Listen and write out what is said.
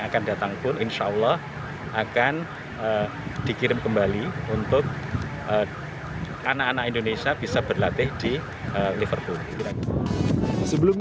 akan datang pun insya allah akan dikirim kembali untuk anak anak indonesia bisa berlatih di liverpool